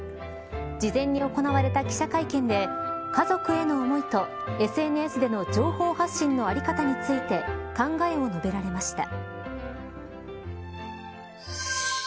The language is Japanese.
事前に行われた記者会見で家族への思いとＳＮＳでの情報発信の在り方について考えを述べられました。